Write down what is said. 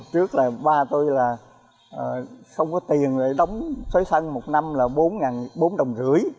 trước là ba tôi là không có tiền để đóng thuế sân một năm là bốn đồng rưỡi